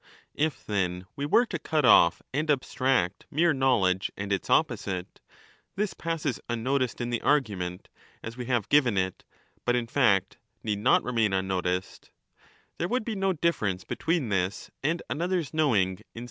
If then we were to cut off and abstract mere knowledge and its 30 opposite — this passes unnoticed in the argument as we have given it, but in fact need not remain unnoticed — there would be no difference between this and another's knowing instead 1 &ya66s (W.